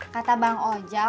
kata bang ojak